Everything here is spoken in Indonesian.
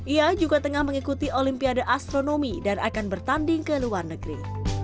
ia juga tengah mengikuti olimpiade astronomi dan akan bertanding ke luar negeri